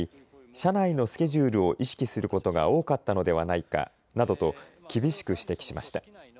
社内のスケジュールを意識することが多かったのではないかなどと厳しく指摘しました。